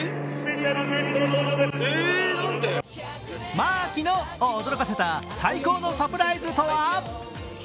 まーきのを驚かせた最高のサプライズとは。